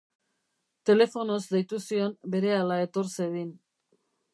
Telefonoz deitu zion berehala etor zedin.